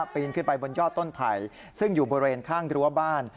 ปีนขึ้นไปบนยอดต้นไผ่ซึ่งอยู่บริเวณข้างรั้วบ้าน